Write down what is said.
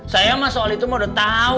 saya mah soal itu mah udah tau deh ya kan